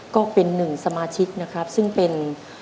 ก็เป็นหนึ่งสมาชิกนะครับซึ่งเป็น